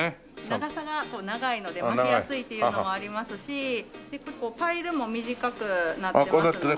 長さが長いので巻きやすいというのもありますし結構パイルも短くなってますので。